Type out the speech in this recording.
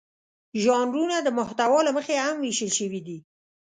ژانرونه د محتوا له مخې هم وېشل شوي دي.